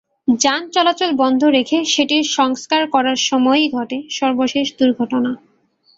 যান চলাচল বন্ধ রেখে সেটির সংস্কার করার সময়ই ঘটে সর্বশেষ দুর্ঘটনা।